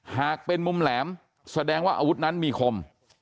หากเป็นมุมแหลมแสดงว่าอาวุธนั้นมีคม